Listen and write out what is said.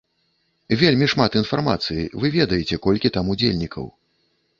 Вельмі шмат інфармацыі, вы ведаеце, колькі там удзельнікаў.